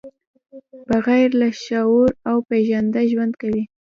بغیر له شعور او پېژانده ژوند کوي.